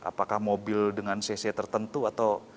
apakah mobil dengan cc tertentu atau